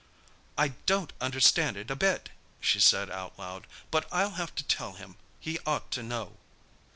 "I don't understand it a bit," she said aloud. "But I'll have to tell him. He ought to know."